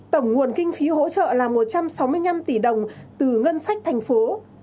tổng nguồn kinh phí hỗ trợ là một trăm sáu mươi năm tỷ đồng từ ngân sách thành phố